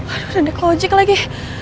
aduh udah neko jack lagi